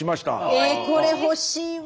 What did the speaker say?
えこれ欲しいわ。